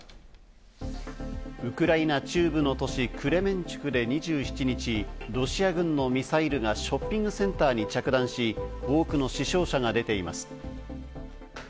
ウクライナ中部の都市クレメンチュクで２７日、ロシア軍のミサイルがショッピングセンターに着弾し、多くの死傷者が出ています。